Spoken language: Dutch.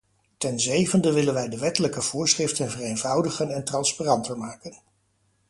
Ten zevende willen wij de wettelijke voorschriften vereenvoudigen en transparanter maken.